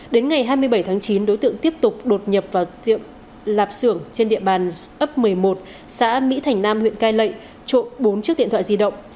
đến ngày hai mươi bảy tháng chín đối tượng tiếp tục đột nhập vào tiệm lạp xưởng trên địa bàn ấp một mươi một xã mỹ thành nam huyện cai lệ trộm bốn chiếc điện thoại di động